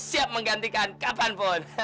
siap menggantikan kapanpun